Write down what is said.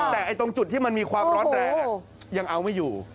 แต่ตรงจุดที่มันมีความร้อนแรงยังเอาไม่อยู่